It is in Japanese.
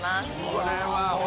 ◆これは。